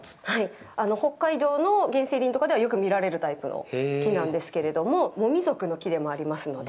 北海道の原生林とかではよく見られるタイプの木なんですけれども、モミ属の木でもありますので。